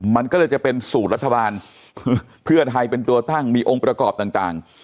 มันก็เลยจะเป็นสูตรรัฐบาลเพื่อไทยเป็นตัวตั้งมีองค์ประกอบต่าง